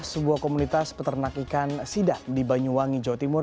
sebuah komunitas peternak ikan sidap di banyuwangi jawa timur